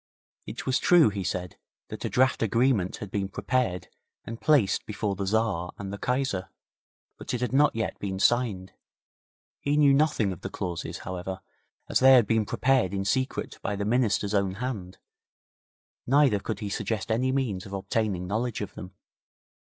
It was true, he said, that a draft agreement had been prepared and placed before the Tzar and the Kaiser, but it had not yet been signed. He knew nothing of the clauses, however, as they had been prepared in secret by the Minister's own hand, neither could he suggest any means of obtaining knowledge of them.